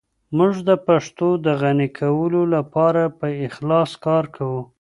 موږ د پښتو د غني کولو لپاره په اخلاص کار کوو.